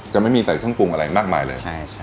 จะไม่มีใส่เครื่องปรุงอะไรมากมายเลย